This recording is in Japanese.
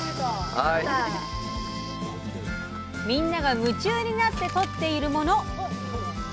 みんなが夢中になってとっているもの。